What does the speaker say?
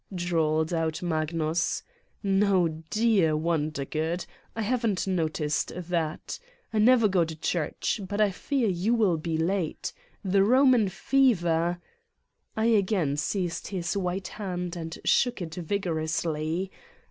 drawled out Magnus. "No, dear Wondergood, I haven't noticed that. I never go to church. But I fear you will be late. The Eoman fever " I again seized his white hand and shook it vig orously.